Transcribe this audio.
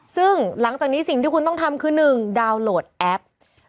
ซึ่งหลังจากนี้สิ่งที่คุณต้องทำคือ๑ดาวน์โหลดแอป